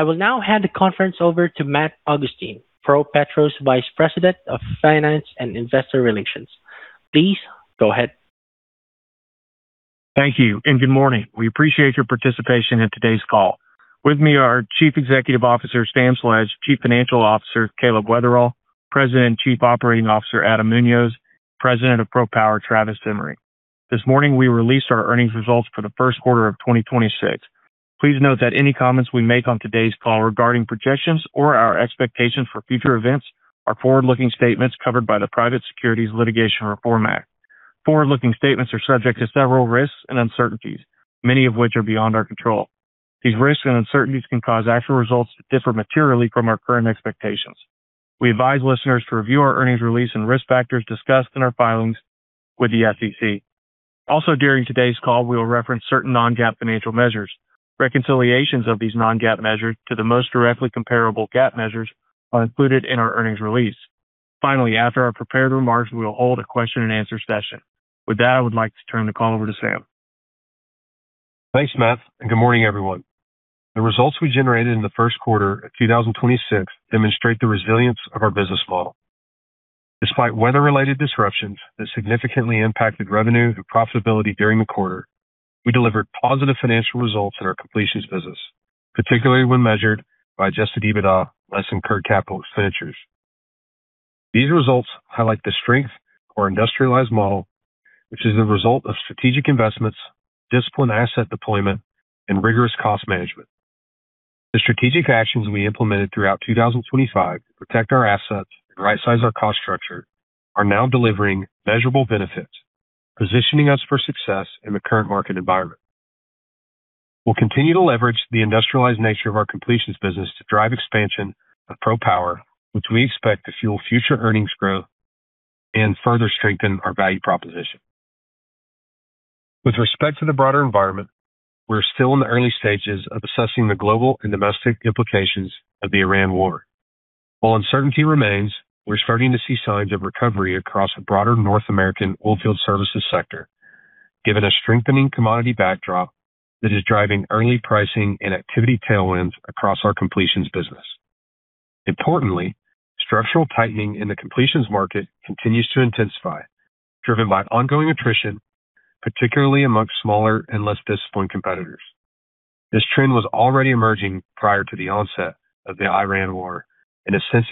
I will now hand the conference over to Matt Augustine, ProPetro's Vice President of Finance and Investor Relations. Please go ahead. Thank you, and good morning. We appreciate your participation in today's call. With me are Chief Executive Officer, Sam Sledge, Chief Financial Officer, Caleb Weatherl, President and Chief Operating Officer, Adam Muñoz, President of ProPWR, Travis Simmering. This morning, we released our earnings results for the first quarter of 2026. Please note that any comments we make on today's call regarding projections or our expectations for future events are forward-looking statements covered by the Private Securities Litigation Reform Act. Forward-looking statements are subject to several risks and uncertainties, many of which are beyond our control. These risks and uncertainties can cause actual results to differ materially from our current expectations. We advise listeners to review our earnings release and risk factors discussed in our filings with the SEC. During today's call, we will reference certain non-GAAP financial measures. Reconciliations of these non-GAAP measures to the most directly comparable GAAP measures are included in our earnings release. Finally, after our prepared remarks, we will hold a question-and-answer session. With that, I would like to turn the call over to Sam. Thanks, Matt, and good morning, everyone. The results we generated in the first quarter of 2026 demonstrate the resilience of our business model. Despite weather-related disruptions that significantly impacted revenue and profitability during the quarter, we delivered positive financial results in our completions business, particularly when measured by Adjusted EBITDA less incurred capital expenditures. These results highlight the strength of our industrialized model, which is the result of strategic investments, disciplined asset deployment, and rigorous cost management. The strategic actions we implemented throughout 2025 to protect our assets and rightsize our cost structure are now delivering measurable benefits, positioning us for success in the current market environment. We'll continue to leverage the industrialized nature of our completions business to drive expansion of ProPWR, which we expect to fuel future earnings growth and further strengthen our value proposition. With respect to the broader environment, we're still in the early stages of assessing the global and domestic implications of the Iran war. While uncertainty remains, we're starting to see signs of recovery across the broader North American oilfield services sector, given a strengthening commodity backdrop that is driving early pricing and activity tailwinds across our completions business. Importantly, structural tightening in the completions market continues to intensify, driven by ongoing attrition, particularly amongst smaller and less disciplined competitors. This trend was already emerging prior to the onset of the Iran war and has since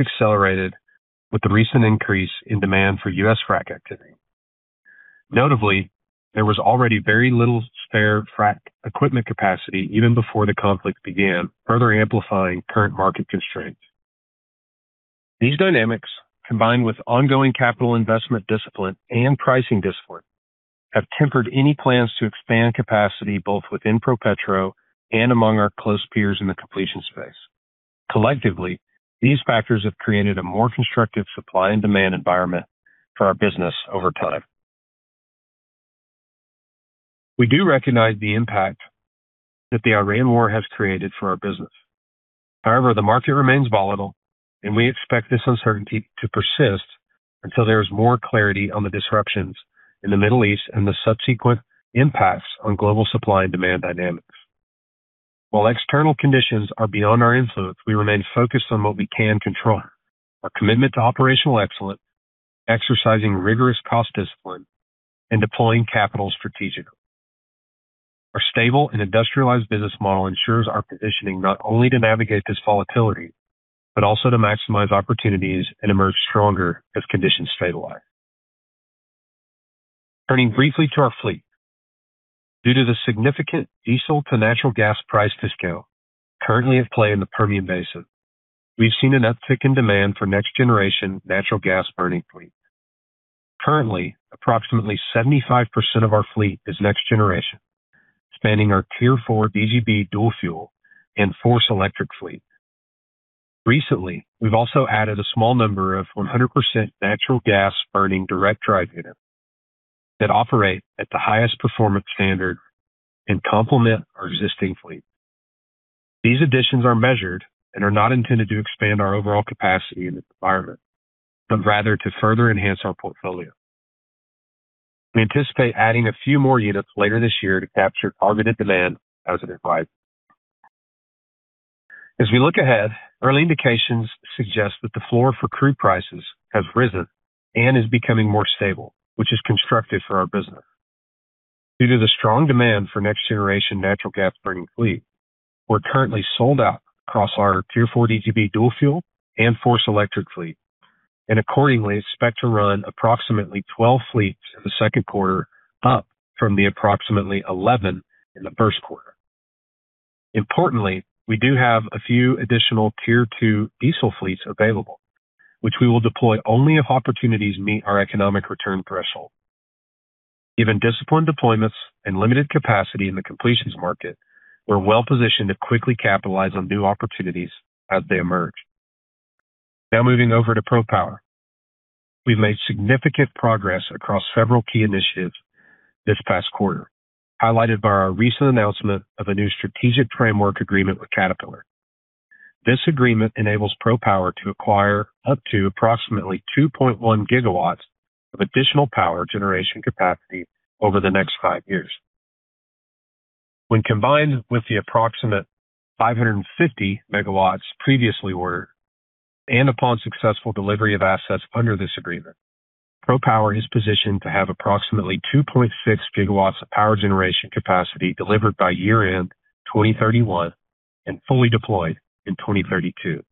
accelerated with the recent increase in demand for U.S. frac activity. Notably, there was already very little spare frac equipment capacity even before the conflict began, further amplifying current market constraints. These dynamics, combined with ongoing capital investment discipline and pricing discipline, have tempered any plans to expand capacity both within ProPetro and among our close peers in the completion space. Collectively, these factors have created a more constructive supply and demand environment for our business over time. We do recognize the impact that the Iran war has created for our business. However, the market remains volatile, and we expect this uncertainty to persist until there is more clarity on the disruptions in the Middle East and the subsequent impacts on global supply and demand dynamics. While external conditions are beyond our influence, we remain focused on what we can control: our commitment to operational excellence, exercising rigorous cost discipline, and deploying capital strategically. Our stable and industrialized business model ensures our positioning not only to navigate this volatility, but also to maximize opportunities and emerge stronger as conditions stabilize. Turning briefly to our fleet. Due to the significant diesel to natural gas price discount currently at play in the Permian Basin, we've seen an uptick in demand for next-generation natural gas burning fleet. Currently, approximately 75% of our fleet is next generation, spanning our Tier IV DGB dual-fuel and FORCE electric fleet. Recently, we've also added a small number of 100% natural gas-burning direct drive units that operate at the highest performance standard and complement our existing fleet. These additions are measured and are not intended to expand our overall capacity in this environment, but rather to further enhance our portfolio. We anticipate adding a few more units later this year to capture targeted demand as an advisor. As we look ahead, early indications suggest that the floor for crude prices has risen and is becoming more stable, which is constructive for our business. Due to the strong demand for next-generation natural gas burning fleet, we're currently sold out across our Tier IV DGB dual-fuel and FORCE electric fleet and accordingly expect to run approximately 12 fleets in the second quarter, up from the approximately 11 in the first quarter. Importantly, we do have a few additional Tier II diesel fleets available, which we will deploy only if opportunities meet our economic return threshold. Given disciplined deployments and limited capacity in the completions market, we're well-positioned to quickly capitalize on new opportunities as they emerge. Moving over to ProPWR. We've made significant progress across several key initiatives this past quarter, highlighted by our recent announcement of a new strategic framework agreement with Caterpillar. This agreement enables ProPWR to acquire up to approximately 2.1 GW of additional power generation capacity over the next five years. When combined with the approximate 550 MW previously ordered and upon successful delivery of assets under this agreement, ProPWR is positioned to have approximately 2.6 GW of power generation capacity delivered by year-end 2031 and fully deployed in 2032.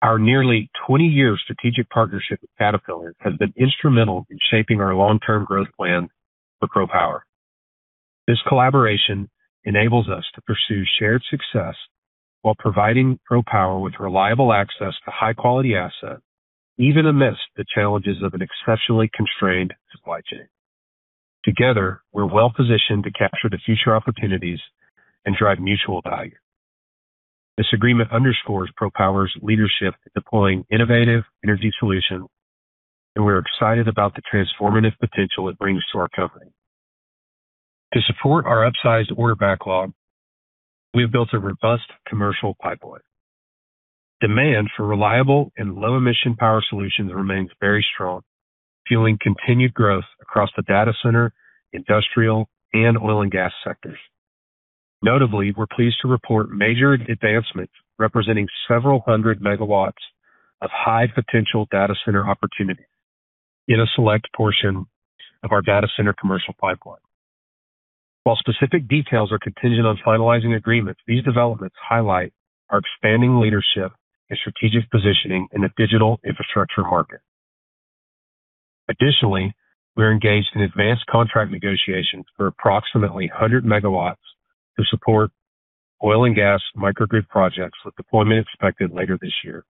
Our nearly 20-year strategic partnership with Caterpillar has been instrumental in shaping our long-term growth plan for ProPWR. This collaboration enables us to pursue shared success while providing ProPWR with reliable access to high-quality assets, even amidst the challenges of an exceptionally constrained supply chain. Together, we're well-positioned to capture the future opportunities and drive mutual value. This agreement underscores ProPWR's leadership in deploying innovative energy solutions, and we're excited about the transformative potential it brings to our company. To support our upsized order backlog, we have built a robust commercial pipeline. Demand for reliable and low-emission power solutions remains very strong, fueling continued growth across the data center, industrial and oil and gas sectors. Notably, we're pleased to report major advancements representing several hundred megawatts of high-potential data center opportunities in a select portion of our data center commercial pipeline. While specific details are contingent on finalizing agreements, these developments highlight our expanding leadership and strategic positioning in the digital infrastructure market. Additionally, we are engaged in advanced contract negotiations for approximately 100 MW to support oil and gas microgrid projects, with deployment expected later this year.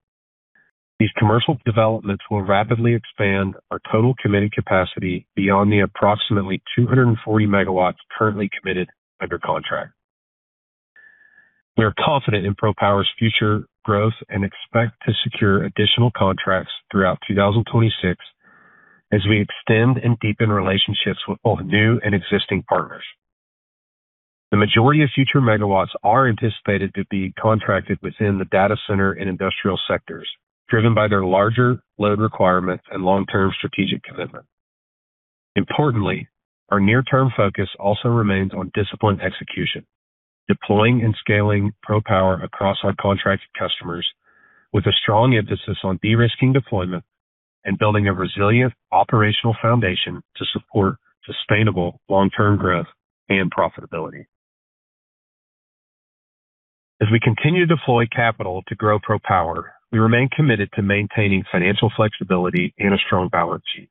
These commercial developments will rapidly expand our total committed capacity beyond the approximately 240 MW currently committed under contract. We are confident in ProPWR's future growth and expect to secure additional contracts throughout 2026 as we extend and deepen relationships with both new and existing partners. The majority of future megawatts are anticipated to be contracted within the data center and industrial sectors, driven by their larger load requirements and long-term strategic commitment. Importantly, our near-term focus also remains on disciplined execution, deploying and scaling ProPWR across our contracted customers with a strong emphasis on de-risking deployment and building a resilient operational foundation to support sustainable long-term growth and profitability. As we continue to deploy capital to grow ProPWR, we remain committed to maintaining financial flexibility and a strong balance sheet.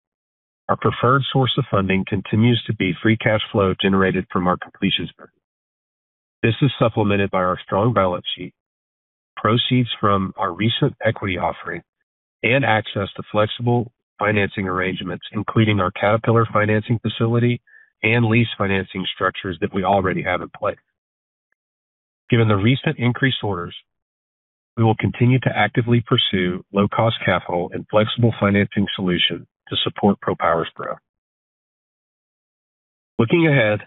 Our preferred source of funding continues to be free cash flow generated from our completions business. This is supplemented by our strong balance sheet, proceeds from our recent equity offering and access to flexible financing arrangements, including our Caterpillar Financial Services and lease financing structures that we already have in place. Given the recent increased orders, we will continue to actively pursue low-cost capital and flexible financing solutions to support ProPWR's growth. Looking ahead,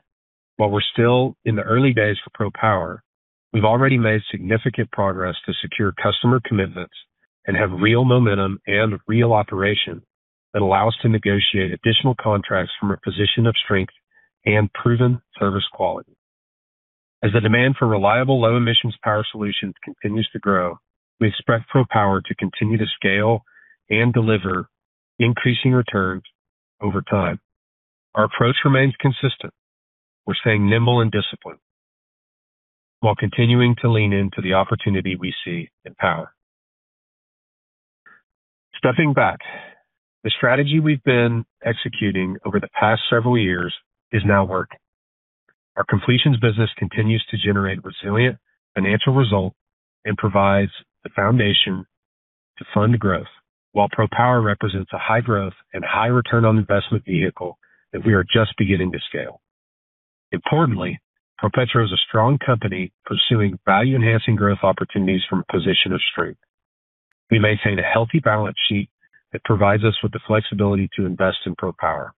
while we're still in the early days for ProPWR, we've already made significant progress to secure customer commitments and have real momentum and real operations that allow us to negotiate additional contracts from a position of strength and proven service quality. As the demand for reliable, low-emissions power solutions continues to grow, we expect ProPWR to continue to scale and deliver increasing returns over time. Our approach remains consistent. We're staying nimble and disciplined while continuing to lean into the opportunity we see in power. Stepping back, the strategy we've been executing over the past several years is now working. Our completions business continues to generate resilient financial results and provides the foundation to fund growth. While ProPWR represents a high-growth and high return on investment vehicle that we are just beginning to scale. Importantly, ProPetro is a strong company pursuing value-enhancing growth opportunities from a position of strength. We maintain a healthy balance sheet that provides us with the flexibility to invest in ProPWR.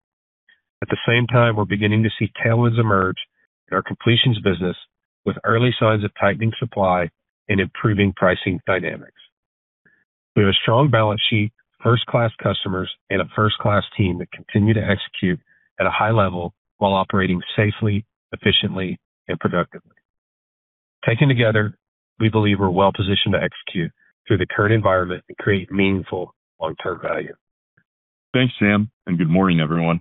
At the same time, we're beginning to see tailwinds emerge in our completions business, with early signs of tightening supply and improving pricing dynamics. We have a strong balance sheet, first-class customers and a first-class team that continue to execute at a high level while operating safely, efficiently and productively. Taken together, we believe we're well-positioned to execute through the current environment and create meaningful long-term value. Thanks, Sam, good morning, everyone.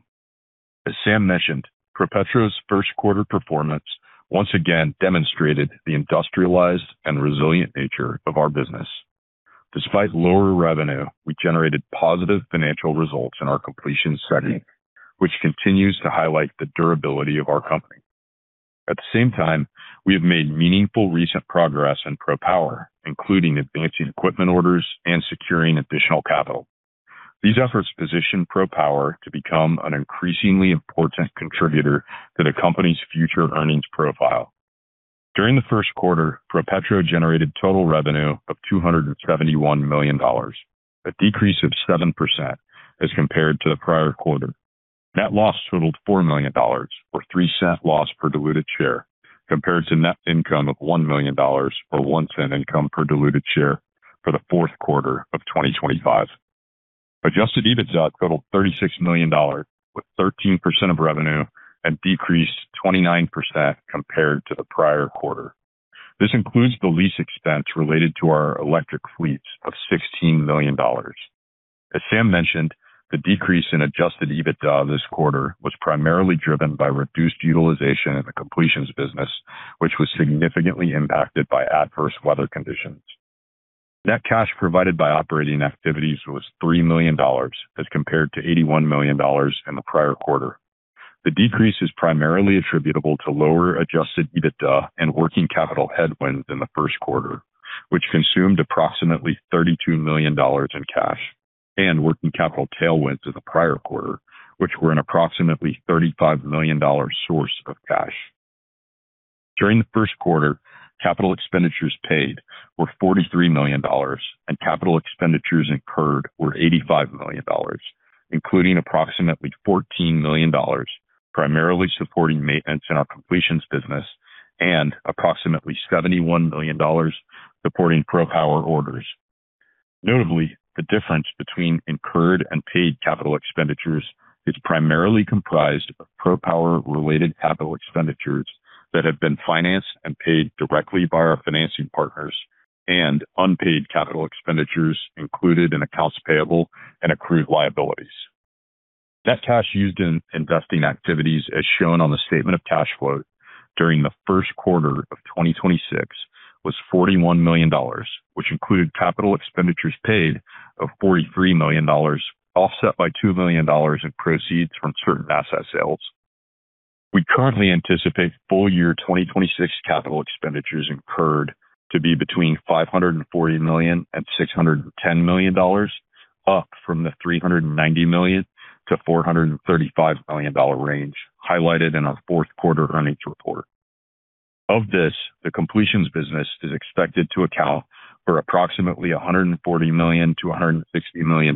As Sam mentioned, ProPetro's first quarter performance once again demonstrated the industrialized and resilient nature of our business. Despite lower revenue, we generated positive financial results in our completions segment, which continues to highlight the durability of our company. At the same time, we have made meaningful recent progress in ProPWR, including advancing equipment orders and securing additional capital. These efforts position ProPWR to become an increasingly important contributor to the company's future earnings profile. During the first quarter, ProPetro generated total revenue of $271 million, a decrease of 7% as compared to the prior quarter. Net loss totaled $4 million or $0.03 loss per diluted share compared to net income of $1 million or $0.01 income per diluted share for the fourth quarter of 2025. Adjusted EBITDA totaled $36 million with 13% of revenue and decreased 29% compared to the prior quarter. This includes the lease expense related to our electric fleets of $16 million. As Sam mentioned, the decrease in Adjusted EBITDA this quarter was primarily driven by reduced utilization in the completions business, which was significantly impacted by adverse weather conditions. Net cash provided by operating activities was $3 million as compared to $81 million in the prior quarter. The decrease is primarily attributable to lower Adjusted EBITDA and working capital headwinds in the first quarter, which consumed approximately $32 million in cash and working capital tailwinds in the prior quarter, which were an approximately $35 million source of cash. During the first quarter, capital expenditures paid were $43 million and capital expenditures incurred were $85 million, including approximately $14 million primarily supporting maintenance in our completions business and approximately $71 million supporting ProPWR orders. Notably, the difference between incurred and paid capital expenditures is primarily comprised of ProPWR-related capital expenditures that have been financed and paid directly by our financing partners and unpaid capital expenditures included in accounts payable and accrued liabilities. Net cash used in investing activities, as shown on the statement of cash flow during the first quarter of 2026, was $41 million, which included capital expenditures paid of $43 million, offset by $2 million in proceeds from certain asset sales. We currently anticipate full year 2026 capital expenditures incurred to be between $540 million and $610 million, up from the $390 million-$435 million range highlighted in our fourth quarter earnings report. Of this, the completions business is expected to account for approximately $140 million-$160 million,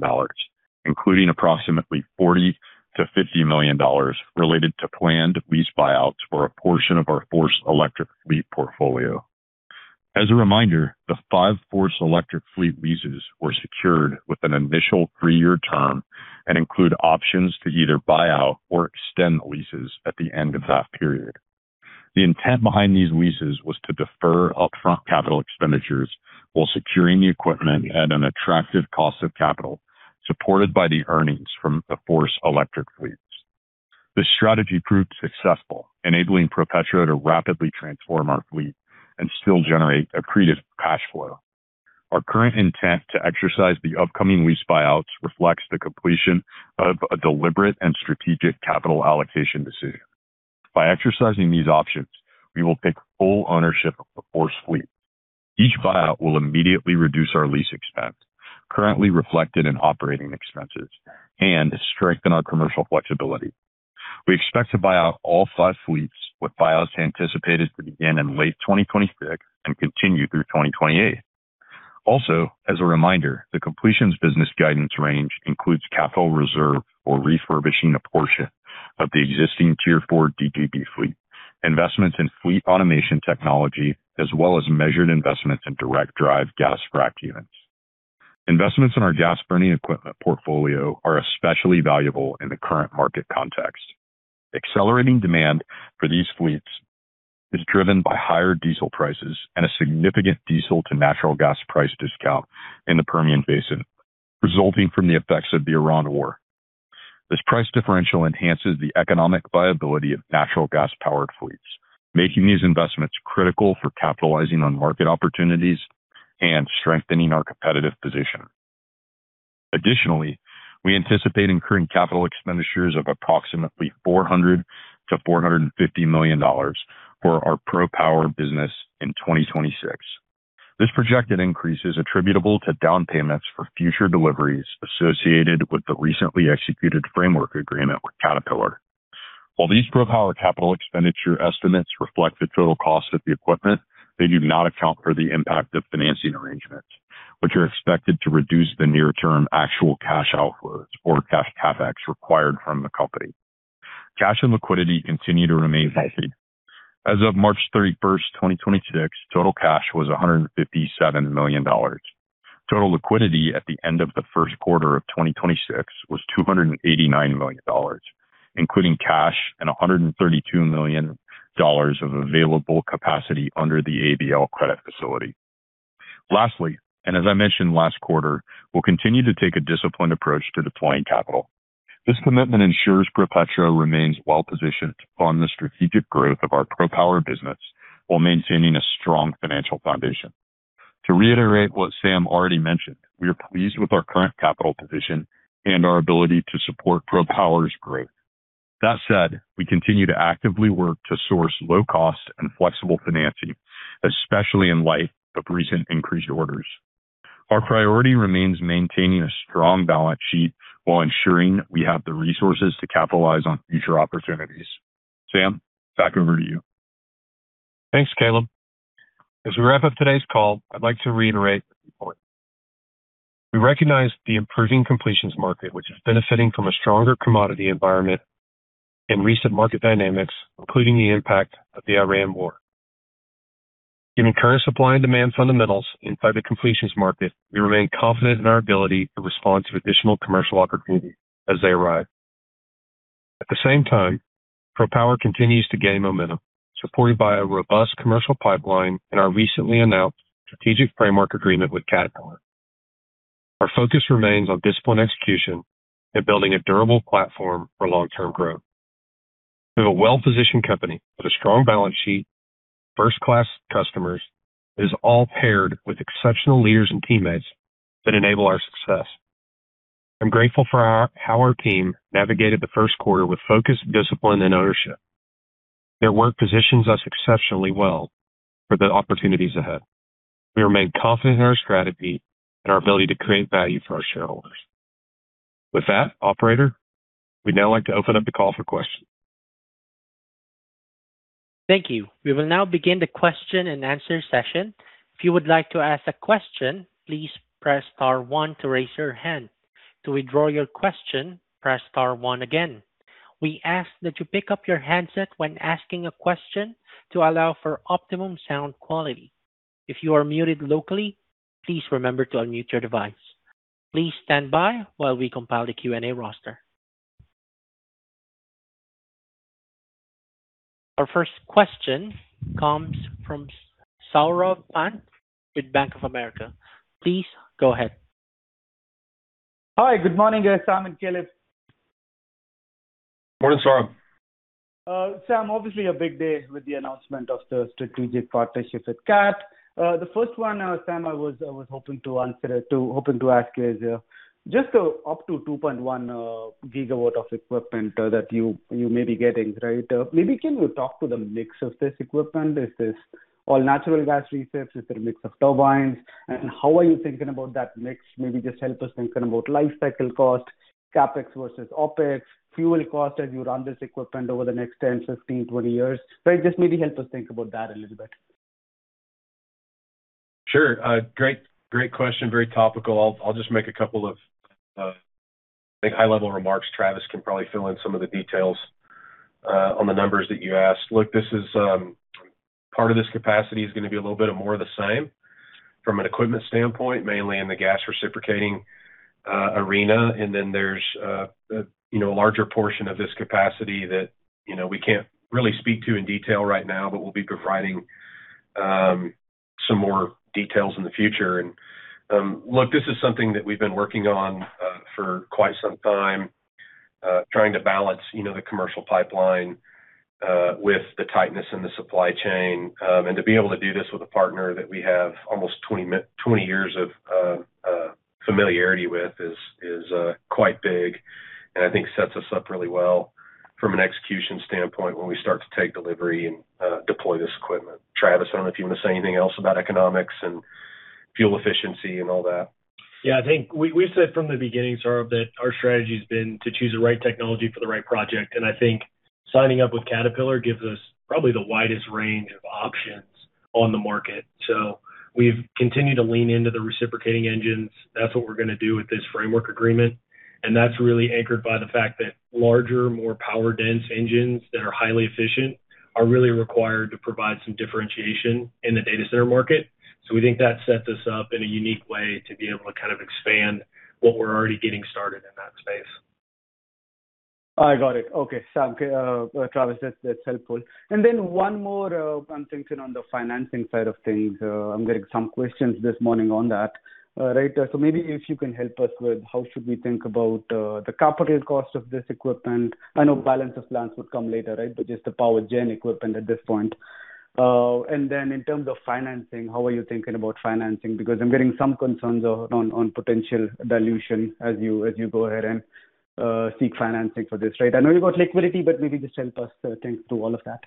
including approximately $40 million-$50 million related to planned lease buyouts for a portion of our FORCE Electric fleet portfolio. As a reminder, the five FORCE Electric fleet leases were secured with an initial three-year term and include options to either buy out or extend the leases at the end of that period. The intent behind these leases was to defer upfront capital expenditures while securing the equipment at an attractive cost of capital supported by the earnings from the FORCE Electric fleets. This strategy proved successful, enabling ProPetro to rapidly transform our fleet and still generate accretive cash flow. Our current intent to exercise the upcoming lease buyouts reflects the completion of a deliberate and strategic capital allocation decision. By exercising these options, we will take full ownership of the FORCE fleet. Each buyout will immediately reduce our lease expense currently reflected in operating expenses and strengthen our commercial flexibility. We expect to buy out all five fleets with buyouts anticipated to begin in late 2026 and continue through 2028. As a reminder, the completions business guidance range includes capital reserve for refurbishing a portion of the existing Tier IV DGB fleet, investments in fleet automation technology, as well as measured investments in direct drive gas frac units. Investments in our gas burning equipment portfolio are especially valuable in the current market context. Accelerating demand for these fleets is driven by higher diesel prices and a significant diesel to natural gas price discount in the Permian Basin, resulting from the effects of the 2026 Iran war. This price differential enhances the economic viability of natural gas powered fleets, making these investments critical for capitalizing on market opportunities and strengthening our competitive position. Additionally, we anticipate incurring capital expenditures of approximately $400 million-$450 million for our ProPWR business in 2026. This projected increase is attributable to down payments for future deliveries associated with the recently executed framework agreement with Caterpillar. While these ProPWR capital expenditure estimates reflect the total cost of the equipment, they do not account for the impact of financing arrangements, which are expected to reduce the near-term actual cash outflows or cash CapEx required from the company. Cash and liquidity continue to remain healthy. As of March 31st, 2026, total cash was $157 million. Total liquidity at the end of the first quarter of 2026 was $289 million, including cash and $132 million of available capacity under the ABL credit facility. Lastly, as I mentioned last quarter, we'll continue to take a disciplined approach to deploying capital. This commitment ensures ProPetro remains well-positioned to fund the strategic growth of our ProPWR business while maintaining a strong financial foundation. To reiterate what Sam already mentioned, we are pleased with our current capital position and our ability to support ProPWR's growth. That said, we continue to actively work to source low cost and flexible financing, especially in light of recent increased orders. Our priority remains maintaining a strong balance sheet while ensuring we have the resources to capitalize on future opportunities. Sam, back over to you. Thanks, Caleb. As we wrap up today's call, I'd like to reiterate the report. We recognize the improving completions market, which is benefiting from a stronger commodity environment and recent market dynamics, including the impact of the 2026 Iran war. Given current supply and demand fundamentals inside the completions market, we remain confident in our ability to respond to additional commercial opportunities as they arrive. At the same time, ProPWR continues to gain momentum, supported by a robust commercial pipeline and our recently announced strategic framework agreement with Caterpillar. Our focus remains on disciplined execution and building a durable platform for long-term growth. We have a well-positioned company with a strong balance sheet, first-class customers. It is all paired with exceptional leaders and teammates that enable our success. I'm grateful for how our team navigated the first quarter with focus, discipline, and ownership. Their work positions us exceptionally well for the opportunities ahead. We remain confident in our strategy and our ability to create value for our shareholders. With that, operator, we'd now like to open up the call for questions. Thank you. We will now begin the question and answer session. If you would like to ask a question, please press star one to raise your hand. To withdraw your question, press star one again. We ask that you pick up your handset when asking a question to allow for optimum sound quality. If you are muted locally, please remember to unmute your device. Please stand by while we compile the Q&A roster. Our first question comes from Saurabh Pant with Bank of America. Please go ahead. Hi, good morning, guys, Sam and Caleb. Morning, Saurabh. Sam, obviously a big day with the announcement of the strategic partnership with Cat. The first one, Sam, hoping to ask you is, just up to 2.1 GW of equipment that you may be getting, right? Maybe can you talk to the mix of this equipment? Is this all natural gas recips? Is it a mix of turbines? How are you thinking about that mix? Maybe just help us thinking about life cycle cost, CapEx versus OpEx, fuel cost as you run this equipment over the next 10, 15, 20 years. Just maybe help us think about that a little bit. Sure. Great, great question. Very topical. I'll just make a couple of, I think high-level remarks. Travis can probably fill in some of the details on the numbers that you asked. Look, this is, part of this capacity is gonna be a little bit of more of the same from an equipment standpoint, mainly in the gas reciprocating, arena. And then there's, you know, a larger portion of this capacity that, you know, we can't really speak to in detail right now, but we'll be providing some more details in the future. And, look, this is something that we've been working on for quite some time, trying to balance, you know, the commercial pipeline with the tightness in the supply chain. To be able to do this with a partner that we have almost 20 years of familiarity with is quite big and I think sets us up really well from an execution standpoint when we start to take delivery and deploy this equipment. Travis, I don't know if you want to say anything else about economics and fuel efficiency and all that. I think we've said from the beginning, Saurabh, that our strategy has been to choose the right technology for the right project, and I think signing up with Caterpillar gives us probably the widest range of options on the market. We've continued to lean into the reciprocating engines. That's what we're gonna do with this framework agreement. That's really anchored by the fact that larger, more power-dense engines that are highly efficient are really required to provide some differentiation in the data center market. We think that sets us up in a unique way to be able to kind of expand what we're already getting started in that space. I got it. Okay. Travis, that's helpful. One more, I'm thinking on the financing side of things. I'm getting some questions this morning on that. Right. Maybe if you can help us with how should we think about the capital cost of this equipment. I know balance of plant would come later, right? Just the power gen equipment at this point. In terms of financing, how are you thinking about financing? I'm getting some concerns on potential dilution as you go ahead and seek financing for this, right? I know you got liquidity, just help us think through all of that.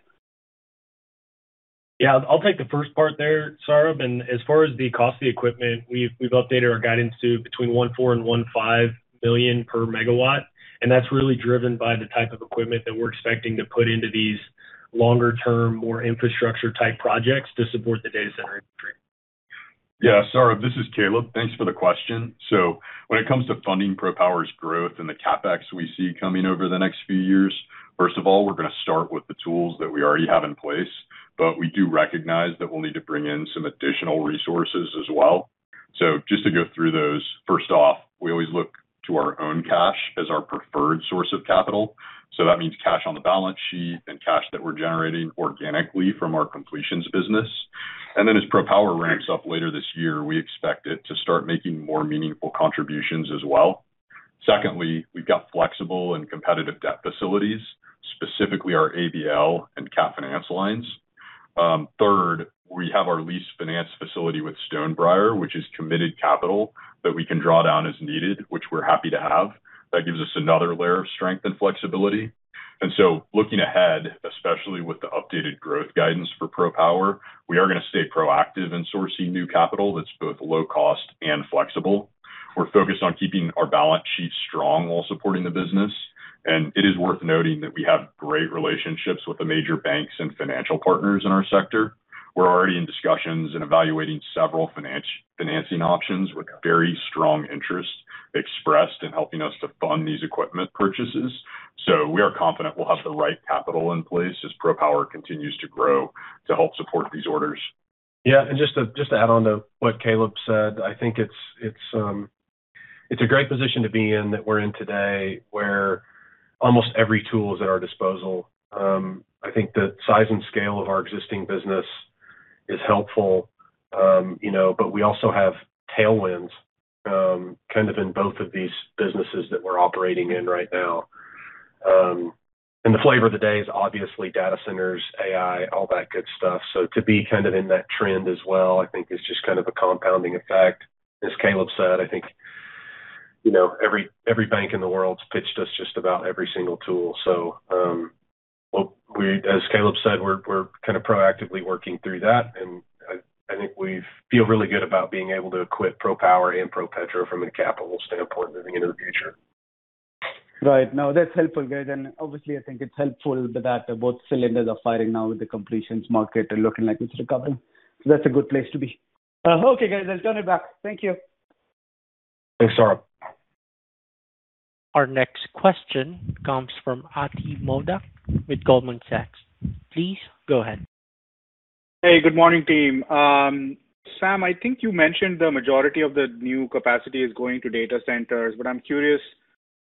Yeah. I'll take the first part there, Saurabh. As far as the cost of the equipment, we've updated our guidance to between $1.4 billion and $1.5 billion per megawatt, and that's really driven by the type of equipment that we're expecting to put into these longer-term, more infrastructure-type projects to support the data center industry. Saurabh, this is Caleb. Thanks for the question. When it comes to funding ProPWR's growth and the CapEx we see coming over the next few years, first of all, we're gonna start with the tools that we already have in place, but we do recognize that we'll need to bring in some additional resources as well. Just to go through those, first off, we always look to our own cash as our preferred source of capital. That means cash on the balance sheet and cash that we're generating organically from our completions business. As ProPWR ramps up later this year, we expect it to start making more meaningful contributions as well. Secondly, we've got flexible and competitive debt facilities, specifically our ABL and Cat Financial lines. Third, we have our lease finance facility with Stonebriar, which is committed capital that we can draw down as needed, which we're happy to have. That gives us another layer of strength and flexibility. Looking ahead, especially with the updated growth guidance for ProPWR, we are gonna stay proactive in sourcing new capital that's both low cost and flexible. We 're focused on keeping our balance sheet strong while supporting the business, and it is worth noting that we have great relationships with the major banks and financial partners in our sector. We're already in discussions and evaluating several financing options with very strong interest expressed in helping us to fund these equipment purchases. We are confident we'll have the right capital in place as ProPWR continues to grow to help support these orders. Just to add on to what Caleb said, I think it's a great position to be in that we're in today, where almost every tool is at our disposal. I think the size and scale of our existing business is helpful, you know, we also have tailwinds kind of in both of these businesses that we're operating in right now. The flavor of the day is obviously data centers, AI, all that good stuff. To be kind of in that trend as well, I think is just kind of a compounding effect. As Caleb said, I think, you know, every bank in the world's pitched us just about every single tool. Well, as Caleb said, we're kind of proactively working through that, and I think we feel really good about being able to equip ProPWR and ProPetro from a capital standpoint moving into the future. Right. No, that's helpful, guys. Obviously, I think it's helpful that both cylinders are firing now with the completions market and looking like it's recovering. That's a good place to be. Okay, guys, I'll turn it back. Thank you. Thanks, Saurabh. Our next question comes from Ati Modak with Goldman Sachs. Please go ahead. Hey, good morning, team. Sam, I think you mentioned the majority of the new capacity is going to data centers, but I'm curious,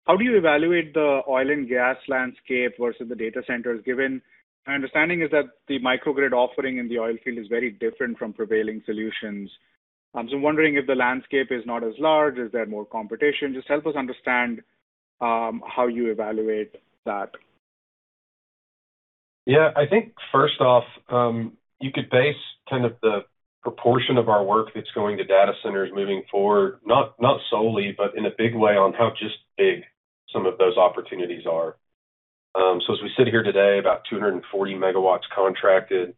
how do you evaluate the oil and gas landscape versus the data centers, given my understanding is that the microgrid offering in the oil field is very different from prevailing solutions. I'm wondering if the landscape is not as large. Is there more competition? Just help us understand, how you evaluate that. Yeah. I think first off, you could base kind of the proportion of our work that's going to data centers moving forward, not solely, but in a big way on how just big some of those opportunities are. As we sit here today, about 240 MW contracted,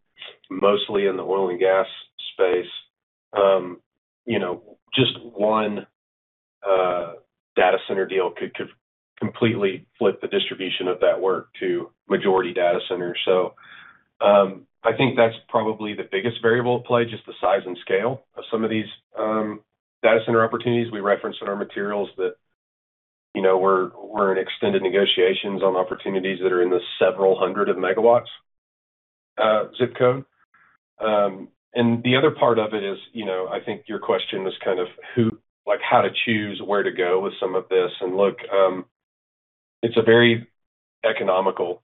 mostly in the oil and gas space. You know, just one data center deal could completely flip the distribution of that work to majority data centers. I think that's probably the biggest variable at play, just the size and scale of some of these data center opportunities. We referenced in our materials that, you know, we're in extended negotiations on opportunities that are in the several hundred of megawatts, zip code. The other part of it is, you know, I think your question was kind of how to choose where to go with some of this. It's a very economical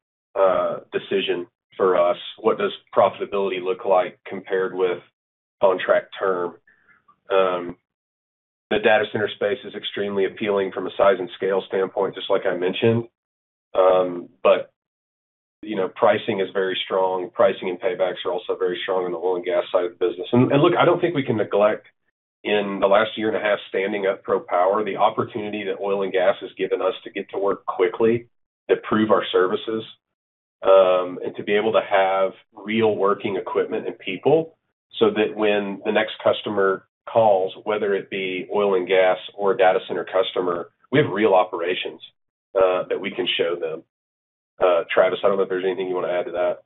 decision for us. What does profitability look like compared with contract term? The data center space is extremely appealing from a size and scale standpoint, just like I mentioned. You know, pricing is very strong. Pricing and paybacks are also very strong in the oil and gas side of the business. Look, I don't think we can neglect in the last year and a half, standing up ProPWR, the opportunity that oil and gas has given us to get to work quickly, to prove our services, and to be able to have real working equipment and people so that when the next customer calls, whether it be oil and gas or a data center customer, we have real operations that we can show them. Travis, I don't know if there's anything you want to add to that.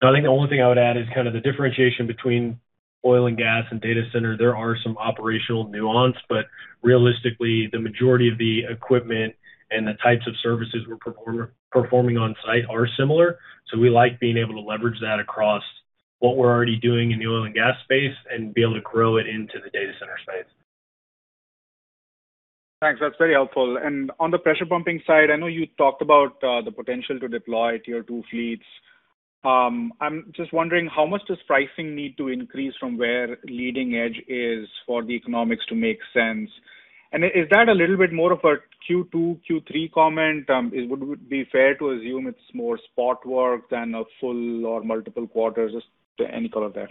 No, I think the only thing I would add is kind of the differentiation between oil and gas and data center. There are some operational nuance, but realistically, the majority of the equipment and the types of services we're performing on site are similar. We like being able to leverage that across what we're already doing in the oil and gas space and be able to grow it into the data center space. Thanks. That's very helpful. On the pressure pumping side, I know you talked about the potential to deploy Tier II fleets. I'm just wondering how much does pricing need to increase from where leading edge is for the economics to make sense? Is that a little bit more of a Q2, Q3 comment? Would it be fair to assume it's more spot work than a full or multiple quarters? Just any color there.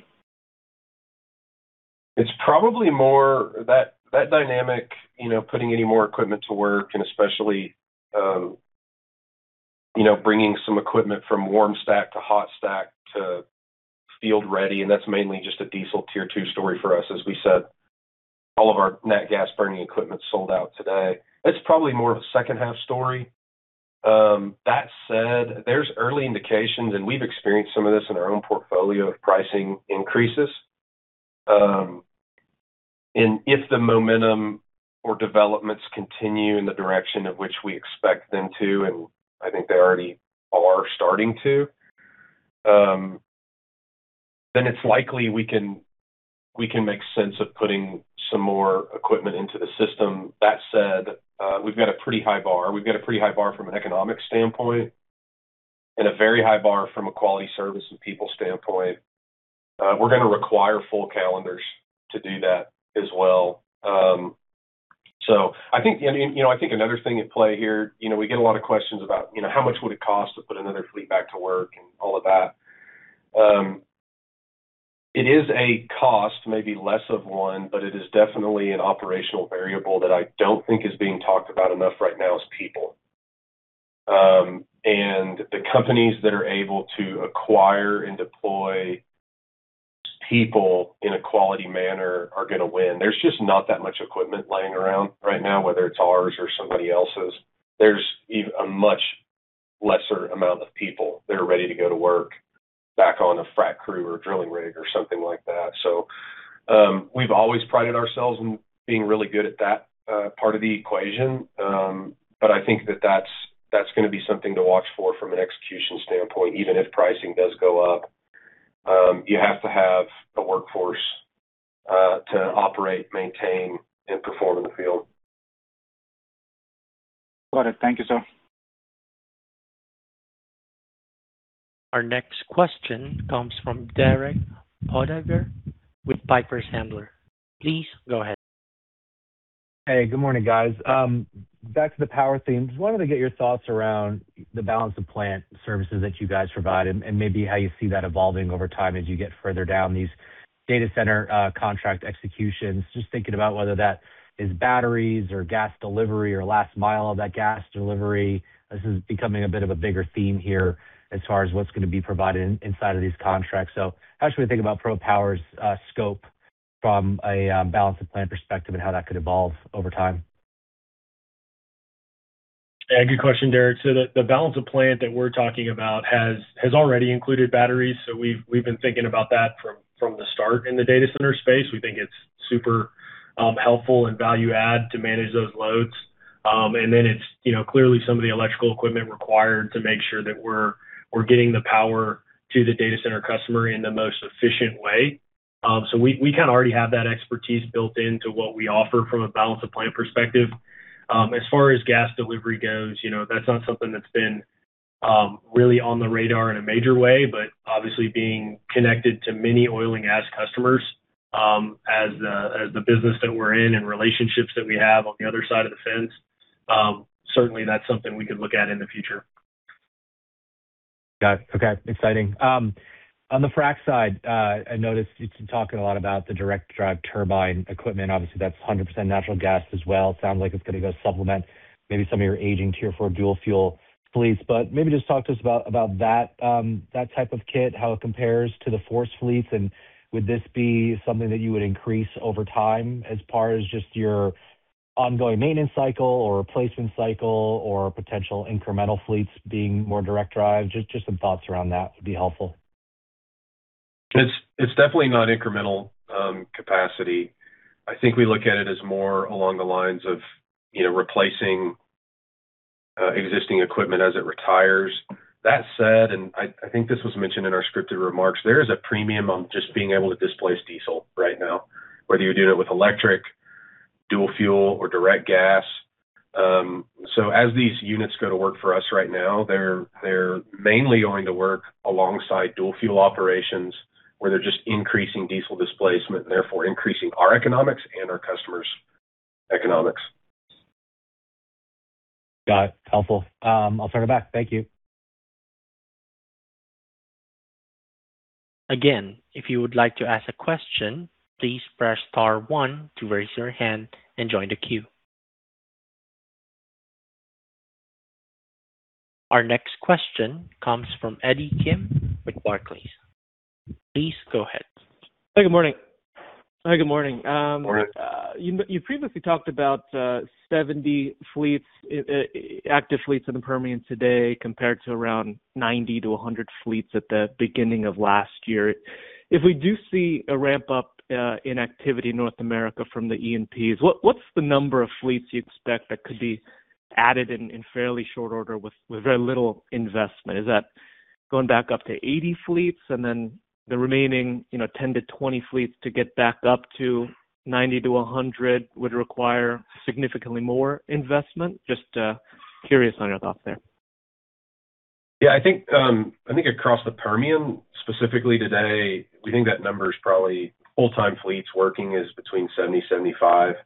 It's probably more that dynamic, you know, putting any more equipment to work and especially, you know, bringing some equipment from warm stack to hot stack to field ready, and that's mainly just a diesel Tier II story for us. As we said, all of our nat gas burning equipment's sold out today. It's probably more of a second half story. That said, there's early indications, and we've experienced some of this in our own portfolio of pricing increases. If the momentum or developments continue in the direction of which we expect them to, and I think they already are starting to, then it's likely we can, we can make sense of putting some more equipment into the system. That said, we've got a pretty high bar. We've got a pretty high bar from an economic standpoint and a very high bar from a quality service and people standpoint. We're gonna require full calendars to do that as well. I think, and, you know, I think another thing at play here, you know, we get a lot of questions about, you know, how much would it cost to put another fleet back to work and all of that. It is a cost, maybe less of one, but it is definitely an operational variable that I don't think is being talked about enough right now is people. The companies that are able to acquire and deploy people in a quality manner are gonna win. There's just not that much equipment laying around right now, whether it's ours or somebody else's. There's a much lesser amount of people that are ready to go to work back on a frac crew or drilling rig or something like that. We've always prided ourselves in being really good at that part of the equation. I think that that's gonna be something to watch for from an execution standpoint, even if pricing does go up. You have to have a workforce to operate, maintain, and perform in the field. Got it. Thank you, sir. Our next question comes from Derek Podhaizer with Piper Sandler. Please go ahead. Hey, good morning, guys. Back to the power themes. Wanted to get your thoughts around the balance of plant services that you guys provide and maybe how you see that evolving over time as you get further down these data center contract executions. Just thinking about whether that is batteries or gas delivery or last mile of that gas delivery. This is becoming a bit of a bigger theme here as far as what's gonna be provided inside of these contracts. How should we think about ProPWR's scope from a balance of plant perspective and how that could evolve over time? Yeah, good question, Derek. The balance of plant that we're talking about has already included batteries, so we've been thinking about that from the start in the data center space. We think it's super helpful and value add to manage those loads. And then it's, you know, clearly some of the electrical equipment required to make sure that we're getting the power to the data center customer in the most efficient way. We kind of already have that expertise built into what we offer from a balance of plant perspective. As far as gas delivery goes, you know, that's not something that's been really on the radar in a major way, but obviously being connected to many oil and gas customers, as the, as the business that we're in and relationships that we have on the other side of the fence, certainly that's something we could look at in the future. Got it. Okay. Exciting. On the frac side, I noticed you've been talking a lot about the direct drive turbine equipment. Obviously, that's 100% natural gas as well. Sounds like it's gonna go supplement maybe some of your aging Tier IV dual-fuel fleets. Maybe just talk to us about that type of kit, how it compares to the FORCE fleets, and would this be something that you would increase over time as far as just your ongoing maintenance cycle or replacement cycle or potential incremental fleets being more direct drive? Just some thoughts around that would be helpful. It's definitely not incremental capacity. I think we look at it as more along the lines of, you know, replacing existing equipment as it retires. That said, and I think this was mentioned in our scripted remarks, there is a premium on just being able to displace diesel right now, whether you're doing it with electric, dual-fuel or direct drive. As these units go to work for us right now, they're mainly going to work alongside dual-fuel operations, where they're just increasing diesel displacement, therefore increasing our economics and our customers' economics. Got it. Helpful. I'll turn it back. Thank you. Again, if you would like to ask a question, please press star one to raise your hand and join the queue. Our next question comes from Eddie Kim with Barclays. Please go ahead. Hey, good morning. Hey, good morning. Morning. You previously talked about 70 fleets, active fleets in the Permian today, compared to around 90-100 fleets at the beginning of last year. If we do see a ramp-up in activity in North America from the E&Ps, what's the number of fleets you expect that could be added in fairly short order with very little investment? Is that going back up to 80 fleets and then the remaining, you know, 10-20 fleets to get back up to 90-100 fleets would require significantly more investment? Just curious on your thoughts there. Yeah, I think, I think across the Permian specifically today, we think that number's probably full-time fleets working is between 70-75 fleets.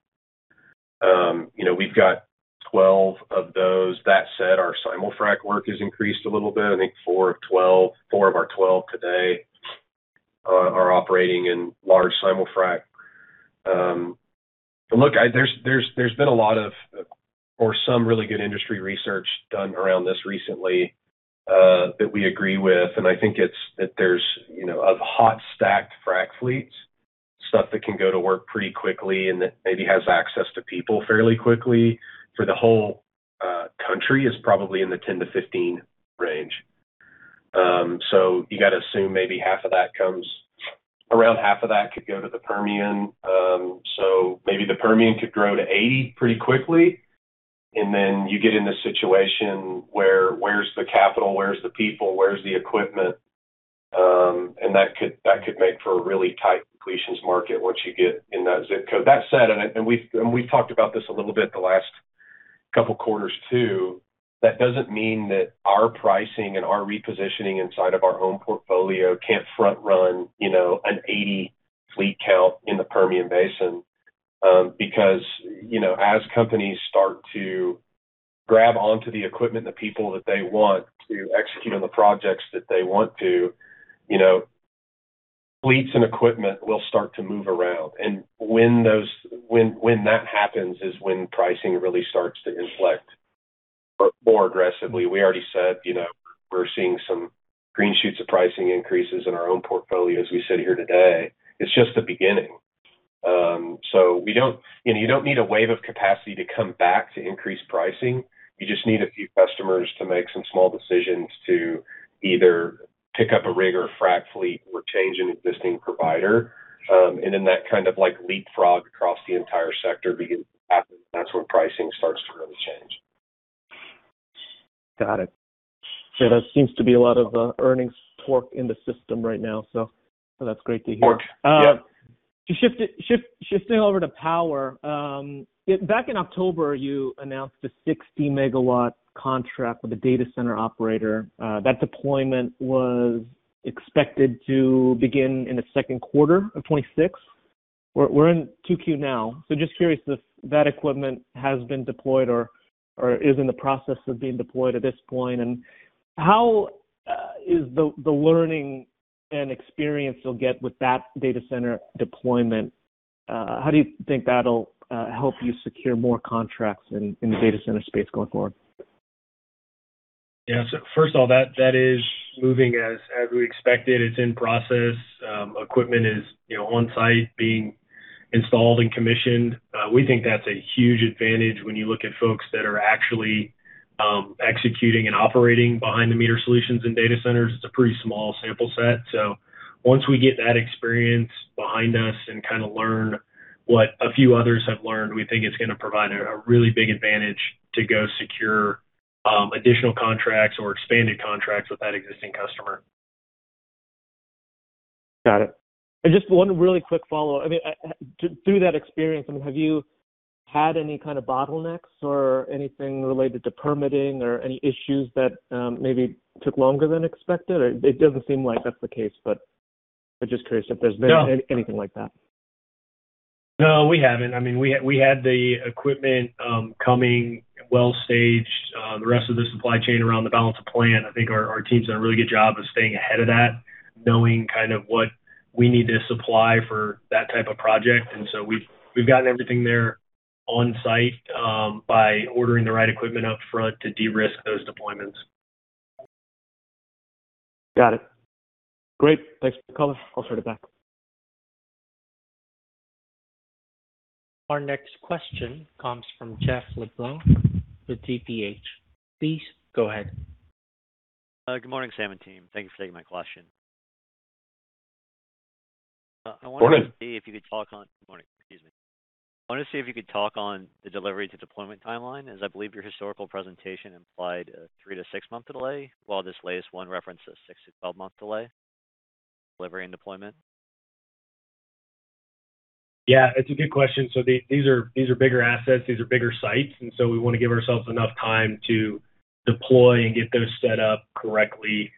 You know, we've got 12 fleets of those. That said, our simul-frac work has increased a little bit. I think four of our 12 fleets today are operating in large simul-frac. Look, there's been a lot of, or some really good industry research done around this recently that we agree with, and I think it's that there's, you know, of hot stacked frac fleets, stuff that can go to work pretty quickly and that maybe has access to people fairly quickly for the whole country is probably in the 10-15 range. You gotta assume maybe around half of that could go to the Permian. Maybe the Permian could grow to 80 fleets pretty quickly, then you get in this situation where where's the capital, where's the people, where's the equipment? That could, that could make for a really tight completions market once you get in that zip code. That said, and we've talked about this a little bit the last couple quarters too, that doesn't mean that our pricing and our repositioning inside of our home portfolio can't front run, you know, an 80 fleet count in the Permian Basin. You know, as companies start to grab onto the equipment, the people that they want to execute on the projects that they want to, fleets and equipment will start to move around. When that happens is when pricing really starts to inflect more aggressively. We already said, you know, we're seeing some green shoots of pricing increases in our own portfolio as we sit here today. It's just the beginning. You know, you don't need a wave of capacity to come back to increase pricing. You just need a few customers to make some small decisions to either pick up a rig or frack fleet or change an existing provider. Then that kind of like leapfrog across the entire sector begins to happen, that's when pricing starts to really change. Got it. There seems to be a lot of earnings torque in the system right now, so that's great to hear. Torque, yep. Shifting over to power, back in October, you announced a 60 MW contract with a data center operator. That deployment was expected to begin in the second quarter of 2026. We're in Q2 now, just curious if that equipment has been deployed or is in the process of being deployed at this point. How is the learning and experience you'll get with that data center deployment, how do you think that'll help you secure more contracts in the data center space going forward? First of all, that is moving as we expected. It's in process. Equipment is, you know, on-site being installed and commissioned. We think that's a huge advantage when you look at folks that are actually executing and operating behind the meter solutions in data centers. It's a pretty small sample set. Once we get that experience behind us and kind of learn what a few others have learned, we think it's gonna provide a really big advantage to go secure additional contracts or expanded contracts with that existing customer. Got it. Just one really quick follow. I mean, through that experience, I mean, have you had any kind of bottlenecks or anything related to permitting or any issues that maybe took longer than expected? It doesn't seem like that's the case, but I'm just curious if there's been. No ...anything like that. No, we haven't. I mean, we had the equipment, coming well-staged, the rest of the supply chain around the balance of plant. I think our team's done a really good job of staying ahead of that, knowing kind of what we need to supply for that type of project. We've gotten everything there on-site, by ordering the right equipment up front to de-risk those deployments. Got it. Great. Thanks for the color. I'll turn it back. Our next question comes from Jeff LeBlanc with TPH. Please go ahead. Good morning, Sam, and team. Thank you for taking my question. Go ahead. Good morning. Excuse me. I wanted to see if you could talk on the delivery to deployment timeline, as I believe your historical presentation implied a three to six-month delay, while this latest one references six to 12-month delay delivery and deployment. Yeah, it's a good question. These are bigger assets, these are bigger sites, we want to give ourselves enough time to deploy and get those set up correctly,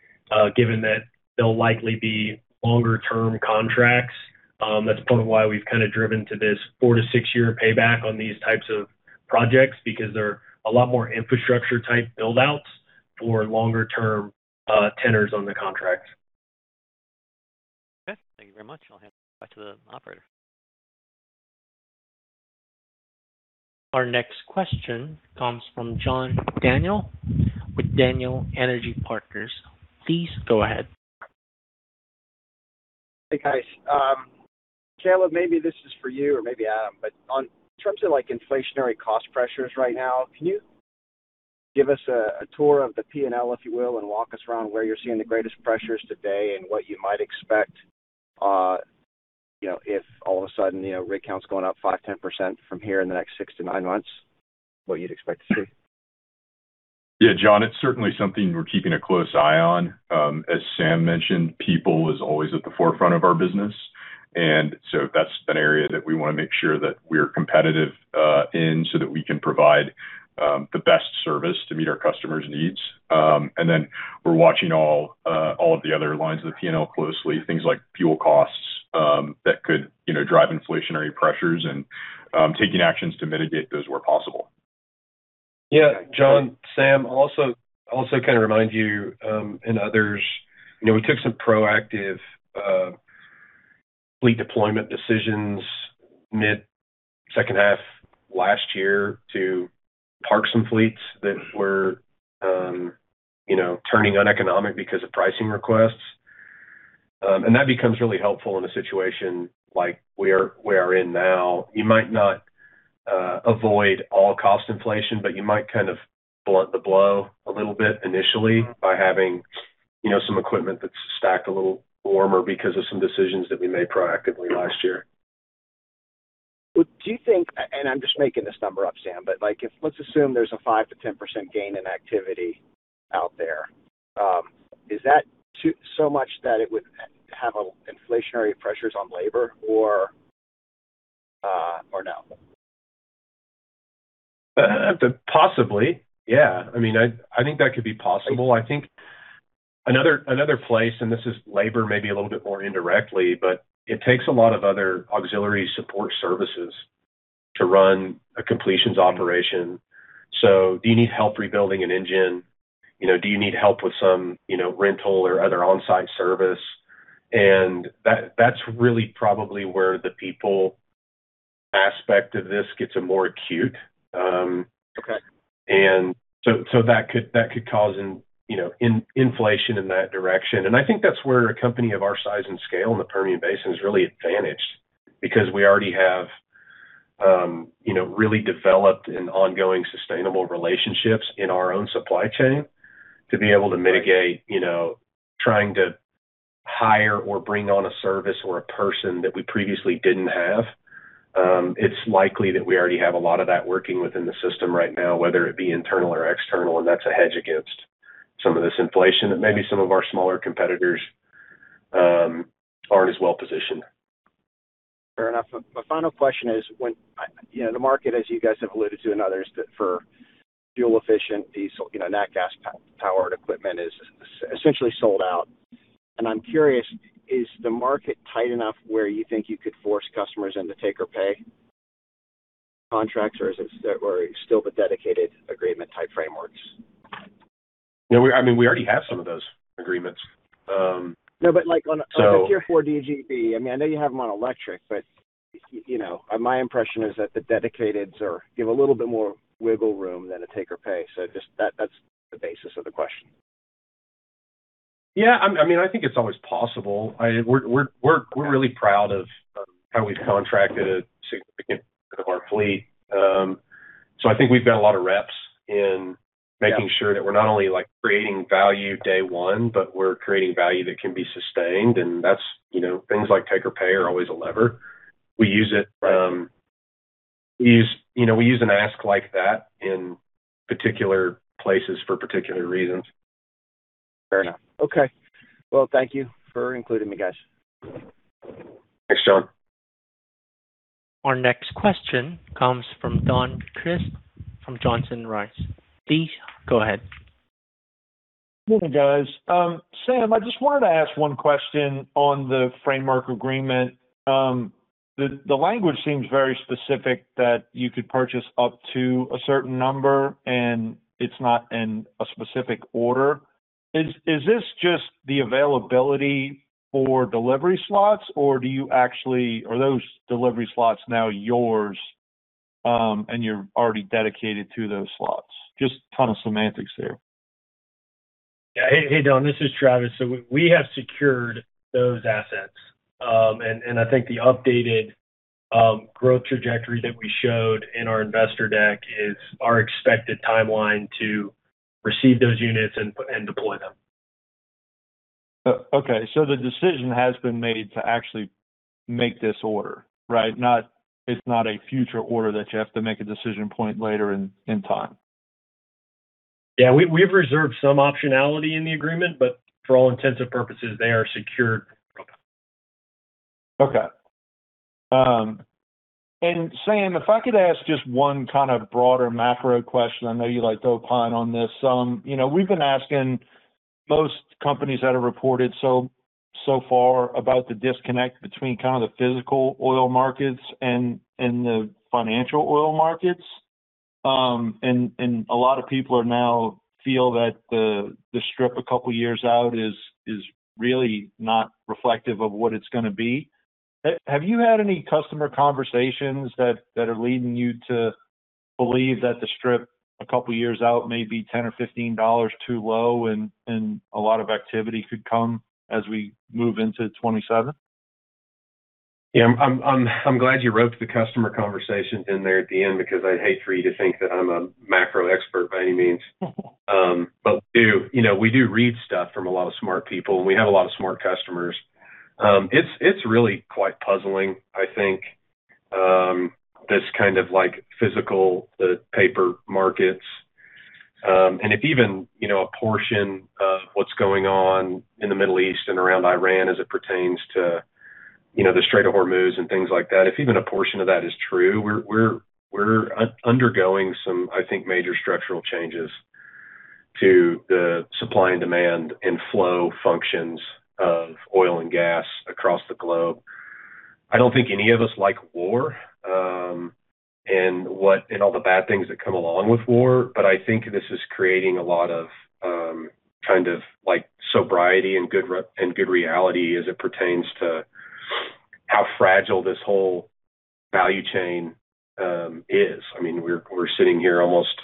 given that they'll likely be longer term contracts. That's part of why we've kind of driven to this four to six-year payback on these types of projects because they're a lot more infrastructure type build-outs for longer term tenors on the contracts. Okay. Thank you very much. I'll hand it back to the operator. Our next question comes from John Daniel with Daniel Energy Partners. Please go ahead. Hey, guys. Caleb, maybe this is for you or maybe Adam, on terms of like inflationary cost pressures right now, can you give us a tour of the P&L, if you will, and walk us around where you're seeing the greatest pressures today and what you might expect, you know, if all of a sudden, you know, rig count's going up 5%, 10% from here in the next six to nine months, what you'd expect to see? Yeah, John, it's certainly something we're keeping a close eye on. As Sam mentioned, people is always at the forefront of our business. That's an area that we wanna make sure that we're competitive in so that we can provide the best service to meet our customers' needs. We're watching all of the other lines of the P&L closely, things like fuel costs, that could, you know, drive inflationary pressures and taking actions to mitigate those where possible. Yeah, John, Sam, also kind of remind you, and others, you know, we took some proactive fleet deployment decisions mid-second half last year to park some fleets that were, you know, turning uneconomic because of pricing requests. That becomes really helpful in a situation like we are in now. You might not avoid all cost inflation, but you might kind of blunt the blow a little bit initially by having, you know, some equipment that's stacked a little warmer because of some decisions that we made proactively last year. Do you think, I'm just making this number up, Sam, but like let's assume there's a 5%-10% gain in activity out there, is that so much that it would have an inflationary pressures on labor or no? Possibly, yeah. I mean, I think that could be possible. I think another place, this is labor maybe a little bit more indirectly, but it takes a lot of other auxiliary support services to run a completions operation. Do you need help rebuilding an engine? You know, do you need help with some, you know, rental or other on-site service? That's really probably where the people aspect of this gets more acute. Okay That could cause an, you know, inflation in that direction. I think that's where a company of our size and scale in the Permian Basin is really advantaged because we already have, you know, really developed and ongoing sustainable relationships in our own supply chain to be able to mitigate, you know, trying to hire or bring on a service or a person that we previously didn't have. It's likely that we already have a lot of that working within the system right now, whether it be internal or external, and that's a hedge against some of this inflation that maybe some of our smaller competitors, aren't as well-positioned. Fair enough. My final question is, when you know, the market, as you guys have alluded to and others, that for fuel efficient diesel, you know, nat gas powered equipment is essentially sold out. I'm curious, is the market tight enough where you think you could force customers into take-or-pay contracts or is it still the dedicated agreement type frameworks? Yeah, I mean, we already have some of those agreements. No, like on the Tier IV DGB, I mean, I know you have them on electric, you know, my impression is that the dedicateds are, give a little bit more wiggle room than a take-or-pay. Just that's the basis of the question. Yeah, I mean, I think it's always possible. We're really proud of how we've contracted a significant part of our fleet. I think we've got a lot of reps in making sure. Yeah That we're not only, like, creating value day one, but we're creating value that can be sustained. That's, you know, things like take-or-pay are always a lever. We use it, you know, we use an ask like that in particular places for particular reasons. Fair enough. Okay. Well, thank you for including me, guys. Thanks, John. Our next question comes from Don Crist from Johnson Rice. Please go ahead. Good day, guys. Sam, I just wanted to ask one question on the framework agreement. The language seems very specific that you could purchase up to a certain number, and it's not in a specific order. Is this just the availability for delivery slots, or are those delivery slots now yours, and you're already dedicated to those slots? Just ton of semantics there. Yeah. Hey, hey, Don, this is Travis. We have secured those assets. And I think the updated growth trajectory that we showed in our investor deck is our expected timeline to receive those units and deploy them. Okay. The decision has been made to actually make this order, right? It's not a future order that you have to make a decision point later in time. Yeah. We've reserved some optionality in the agreement, but for all intents and purposes, they are secured. Okay. Sam, if I could ask just one kind of broader macro question. I know you like to opine on this. You know, we've been asking most companies that have reported so far about the disconnect between kind of the physical oil markets and the financial oil markets. and a lot of people are now feel that the strip a couple years out is really not reflective of what it's gonna be. Have you had any customer conversations that are leading you to believe that the strip a couple years out may be $10 or $15 too low and a lot of activity could come as we move into 2027? Yeah. I'm glad you roped the customer conversations in there at the end because I'd hate for you to think that I'm a macro expert by any means. We do, you know, we do read stuff from a lot of smart people, and we have a lot of smart customers. It's really quite puzzling, I think, this kind of like physical, the paper markets. If even, you know, a portion of what's going on in the Middle East and around Iran as it pertains to, you know, the Strait of Hormuz and things like that, if even a portion of that is true, we're undergoing some, I think, major structural changes to the supply and demand and flow functions of oil and gas across the globe. I don't think any of us like war, and all the bad things that come along with war, but I think this is creating a lot of, kind of like sobriety and good reality as it pertains to how fragile this whole value chain is. I mean, we're sitting here almost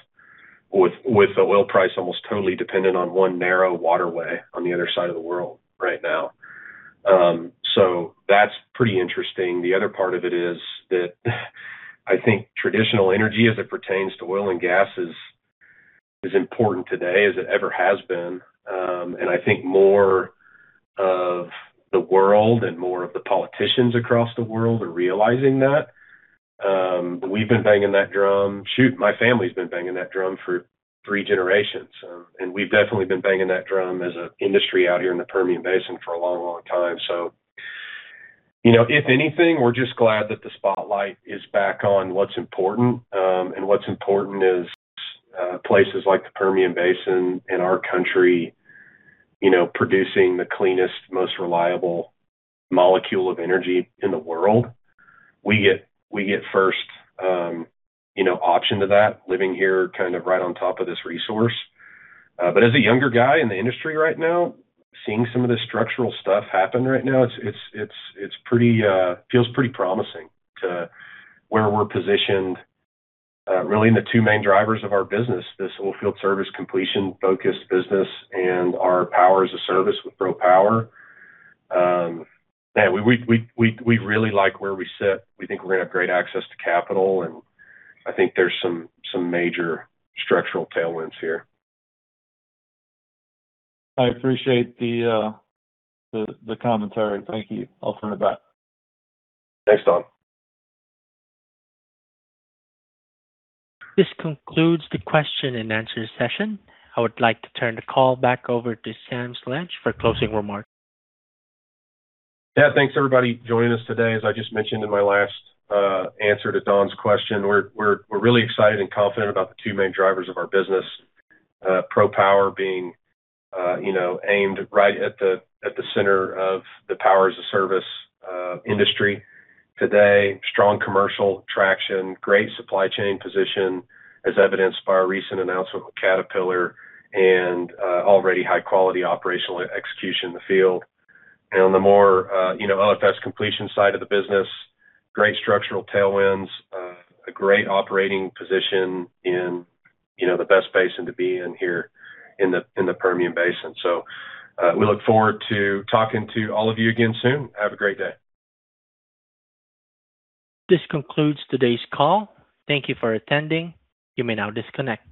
with the oil price almost totally dependent on one narrow waterway on the other side of the world right now. That's pretty interesting. The other part of it is that I think traditional energy as it pertains to oil and gas is important today as it ever has been. I think more of the world and more of the politicians across the world are realizing that. We've been banging that drum. Shoot, my family's been banging that drum for three generations. We've definitely been banging that drum as a industry out here in the Permian Basin for a long, long time. You know, if anything, we're just glad that the spotlight is back on what's important. What's important is places like the Permian Basin in our country, you know, producing the cleanest, most reliable molecule of energy in the world. We get first, you know, option to that, living here kind of right on top of this resource. As a younger guy in the industry right now, seeing some of the structural stuff happen right now, it's pretty, feels pretty promising to where we're positioned, really in the two main drivers of our business. This oilfield service completion-focused business and our power as a service with ProPWR. Yeah, we really like where we sit. We think we're gonna have great access to capital, and I think there's some major structural tailwinds here. I appreciate the commentary. Thank you. I'll turn it back. Thanks, Don. This concludes the question and answer session. I would like to turn the call back over to Sam Sledge for closing remarks. Thanks everybody joining us today. As I just mentioned in my last answer to Don's question, we're really excited and confident about the two main drivers of our business. ProPWR being, you know, aimed right at the center of the power as a service industry. Today, strong commercial traction, great supply chain position, as evidenced by our recent announcement with Caterpillar and already high-quality operational execution in the field. On the more, you know, OFS completion side of the business, great structural tailwinds, a great operating position in, you know, the best basin to be in here in the Permian Basin. We look forward to talking to all of you again soon. Have a great day. This concludes today's call. Thank you for attending. You may now disconnect.